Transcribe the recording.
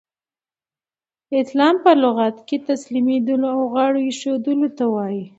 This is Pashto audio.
اسلام په لغت کښي تسلیمېدلو او غاړه ایښودلو ته وايي.